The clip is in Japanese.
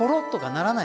ならない。